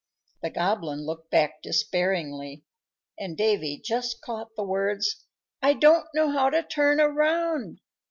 The Goblin looked back despairingly, and Davy just caught the words, "I don't know how to turn around!"